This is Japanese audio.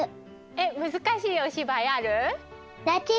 むずかしいおしばいある？